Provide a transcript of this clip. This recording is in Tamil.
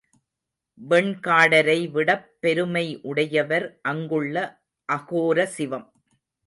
வெண்காடரைவிடப் பெருமை உடையவர் அங்குள்ள அகோரசிவம்.